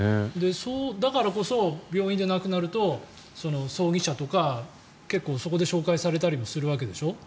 だからこそ、病院で亡くなると葬儀社とかそこで紹介するわけでしょ。